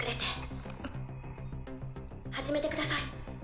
始めてください。